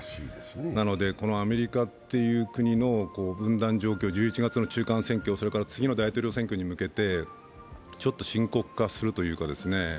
なのでこのアメリカっていう国の分断状況、１１月の中間選挙、それから次の大統領選挙に向けて、ちょっと深刻化するというかですね。